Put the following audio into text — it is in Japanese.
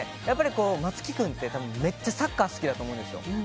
やっぱりこう松木君って多分めっちゃサッカー好きだと思うんですよ。